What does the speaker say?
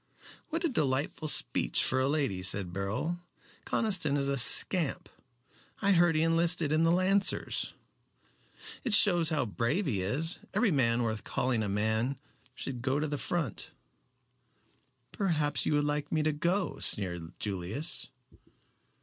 "What a delightful speech for a lady," said Beryl. "Conniston is a scamp. I heard he enlisted in the Lancers." "It shows how brave he is. Every man worth calling a man should go to the front." "Perhaps you would like me to go," sneered Julius.